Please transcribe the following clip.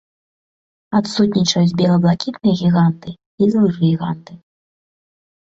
Адсутнічаюць бела-блакітныя гіганты і звышгіганты.